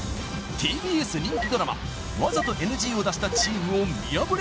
ＴＢＳ人気ドラマわざとＮＧを出したチームを見破れ！